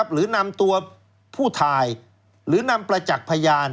หรือนำตัวผู้ถ่ายหรือนำประจักษ์พยาน